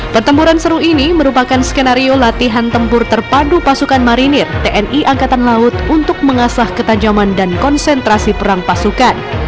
pertempuran seru ini merupakan skenario latihan tempur terpadu pasukan marinir tni angkatan laut untuk mengasah ketajaman dan konsentrasi perang pasukan